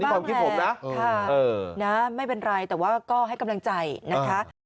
ความคิดผมนะไม่เป็นไรแต่ว่าก็ให้กำลังใจนะคะ